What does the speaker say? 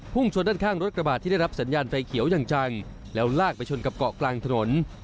ชนด้านข้างรถกระบาดที่ได้รับสัญญาณไฟเขียวอย่างจังแล้วลากไปชนกับเกาะกลางถนน